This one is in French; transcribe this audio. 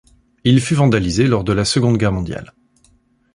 Il fut vandalisé lors de la Seconde Guerre mondiale.